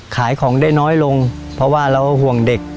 ขายของได้น้อยลงเพราะว่าเราห่วงเด็ก